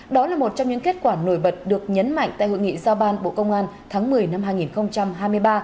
đó là một trong những kết quả nổi bật được nhấn mạnh tại hội nghị giao ban bộ công an tháng một mươi năm hai nghìn hai mươi ba